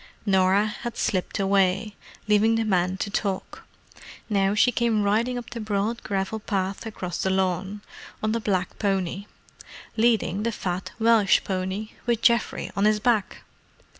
Norah had slipped away, leaving the men to talk. Now she came riding up the broad gravel path across the lawn, on the black pony: leading the fat Welsh pony, with Geoffrey on his back.